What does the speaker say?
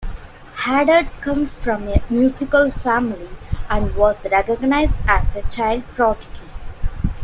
Hadad comes from a musical family and was recognized as a child prodigy.